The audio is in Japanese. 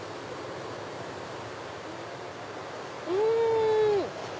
うん！